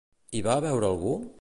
Hi va veure a algú?